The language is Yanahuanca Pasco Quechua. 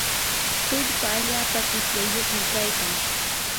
tullpa allapa qityayuqmi kaykan.